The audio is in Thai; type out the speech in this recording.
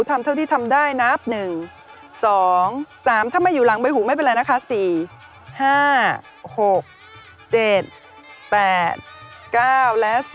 ทำเท่าที่ทำได้นับ๑๒๓ถ้าไม่อยู่หลังใบหูไม่เป็นไรนะคะ๔๕๖๗๘๙และ๔